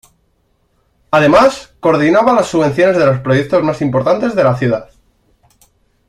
Además, coordinaba las subvenciones de los proyectos más importantes de la ciudad.